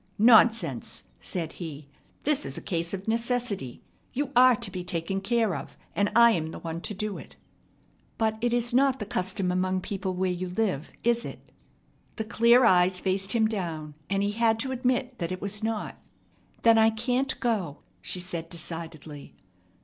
"Nonsense!" said he. "This is a case of necessity. You are to be taken care of, and I am the one to do it." "But it is not the custom among people where you live, is it?" The clear eyes faced him down, and he had to admit that it was not. "Then I can't go," she said decidedly.